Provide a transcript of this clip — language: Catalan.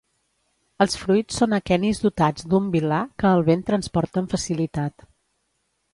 Els fruits són aquenis dotats d'un vil·là que el vent transporta amb facilitat.